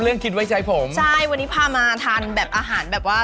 คิดไว้ใจผมใช่วันนี้พามาทานแบบอาหารแบบว่า